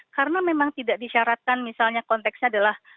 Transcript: karena memang tidak disyaratkan misalnya konteksnya adalah